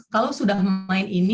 kalau sudah main ini